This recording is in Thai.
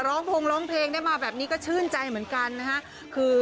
ร้องพรุงร้องเพลงได้มาแบบนี้ก็ชื่นใจเหมือนกันนะครับ